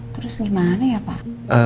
terus gimana ya pak